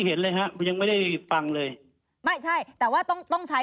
เห็นเลยฮะยังไม่ได้ฟังเลยไม่ใช่แต่ว่าต้องต้องใช้